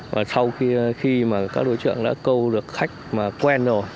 và sau khi các đối tượng đã câu được khách quen rồi